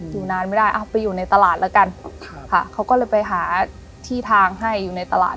อยู่นานไม่ได้อ่ะไปอยู่ในตลาดแล้วกันค่ะเขาก็เลยไปหาที่ทางให้อยู่ในตลาด